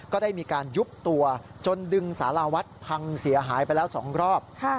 ก็ได้มีการยุบตัวจนดึงสาราวัดพังเสียหายไปแล้ว๒รอบ